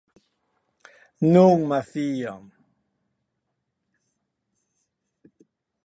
Non, hilha.